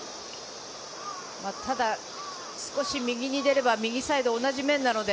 ただ少し右に出れば、右サイドを同じ面なので。